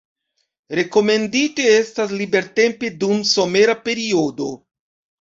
Rekomendite estas libertempi dum somera periodo.